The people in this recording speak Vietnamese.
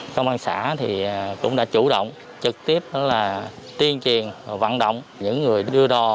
công an xã cũng đã chủ động trực tiếp tiên truyền và vận động những người đưa đo